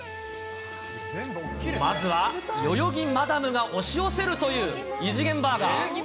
まずは代々木マダムが押し寄せるという、異次元バーガー。